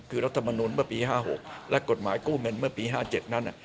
คือรัฐมนุนเมื่อปี๕๖และกฎหมายกู้เงินเมื่อปี๕๗นั้น